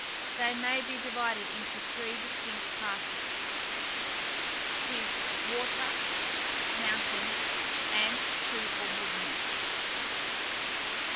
They may be divided into three distinct classes, viz., water, mountain, and tree or wood nymphs.